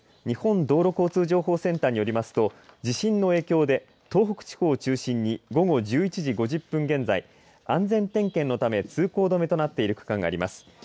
日本道路交通情報センターによりますと地震の影響で東北地方を中心に午後１１時５０分現在安全点検のため通行止めとなっている区間があります。